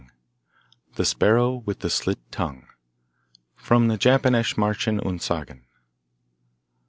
The Sparrow with the Slit Tongue From the Japanische Marchen und Sagen.